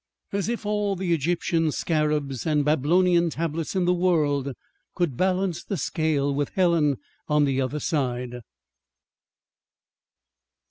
As if all the Egyptian scarabs and Babylonian tablets in the world could balance the scale with Helen on the other side!